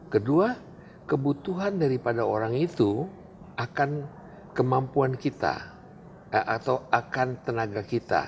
kedua kebutuhan daripada orang itu akan kemampuan kita atau akan tenaga kita